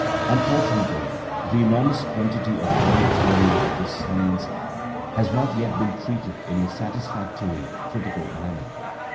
Unfortunately, the enormous quantity of raw material of this science has not yet been treated in a satisfactory critical manner.